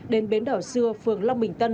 đến bến đảo xưa phường long bình tân